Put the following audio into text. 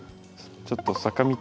ちょっと坂道。